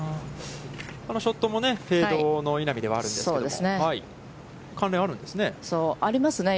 ショットもフェードの稲見ではあるんですけれども、関連があるんですね。ありますね。